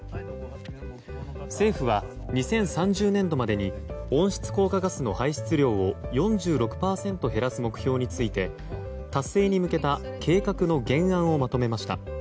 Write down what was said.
政府は２０３０年度までに温室効果ガスの排出量を４６％減らす目標について達成に向けた計画の原案をまとめました。